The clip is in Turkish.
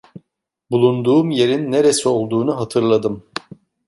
Bulunduğum yerin neresi olduğunu hatırladım.